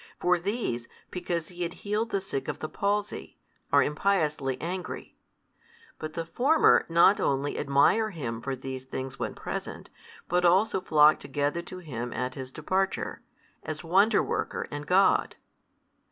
For these because He had healed the sick of the palsy, are impiously angry, but the former not only admire Him for these things when present, but also flock together to Him at His departure, as Wonder worker and God.